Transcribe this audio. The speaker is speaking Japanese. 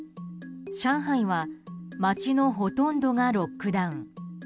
上海は街のほとんどがロックダウン。